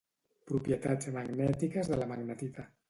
Propietats magnètiques de la magnetita